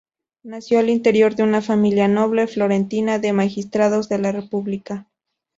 Nació al interior de una familia noble florentina de magistrados de la república.